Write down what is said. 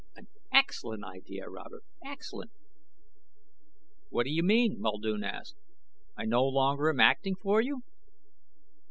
"An excellent idea, Robert. Excellent." "What do you mean?" Muldoon asked. "I no longer am acting for you?"